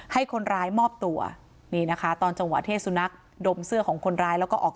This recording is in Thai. ให้คนร้ายมอบตัวนี่นะคะตอนจังหวะที่สุนัขดมเสื้อของคนร้ายแล้วก็ออก